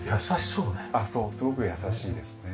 そうすごく優しいですね。